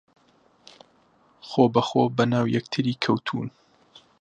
خۆبەخۆ بەناو یەکتری کەوتوون